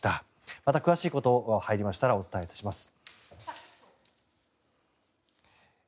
また詳しいことがわかりましたらお伝えいたします。